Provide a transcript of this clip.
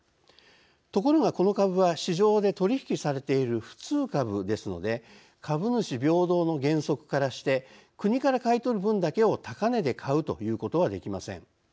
ところが、この株は市場で取り引きされている普通株ですので「株主平等の原則」からして国から買い取る分だけを「高値」で買うということはできません。